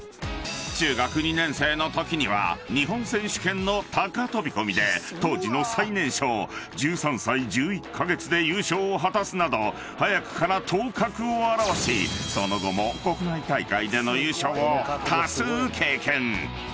［中学２年生のときには日本選手権の高飛び込みで当時の最年少１３歳１１カ月で優勝を果たすなど早くから頭角を現しその後も国内大会での優勝を多数経験］